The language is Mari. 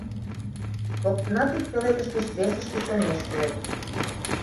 Коктынат ик пеледыш гыч весышке чоҥештылыт.